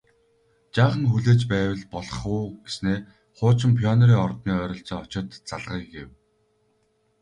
Жаахан хүлээж байвал болох уу гэснээ хуучин Пионерын ордны ойролцоо очоод залгая гэв